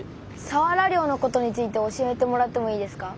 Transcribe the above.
さわら漁のことについて教えてもらってもいいですか？